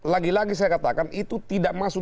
lagi lagi saya katakan itu tidak masuk